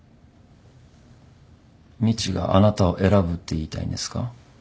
みちがあなたを選ぶって言いたいんですか？